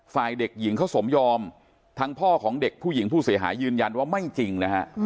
ฝ่ายเด็กหญิงเขาสมยอมทั้งพ่อของเด็กผู้หญิงผู้เสียหายยืนยันว่าไม่จริงนะฮะ